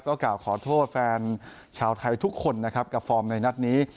กล่าวขอโทษแฟนชาวไทยทุกคนนะครับกับฟอร์มในนัดนี้